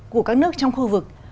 của các nước trong khu vực